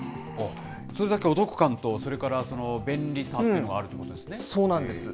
それだけお得感と、それから便利さというのがあるということそうなんです。